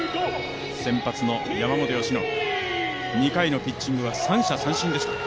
先発の山本由伸、２回のピッチングは三者三振でした。